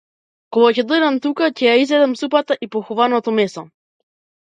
Кога ќе дојдам дома, ќе ја изедам супата и похувано- то месо.